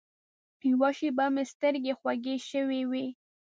یوه شېبه مې سترګې خوږې شوې وې.